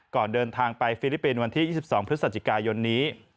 ก่อนเดินทางไปฟิลิปปินส์วันที่๒๒พฤศจิกายนนี้